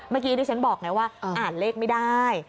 เมื่อกี้ที่ฉันบอกไงว่าอ่านเลขไม่ได้